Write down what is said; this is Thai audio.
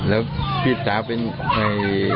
แล้วพี่สาวเป็นใครเสียใจไหม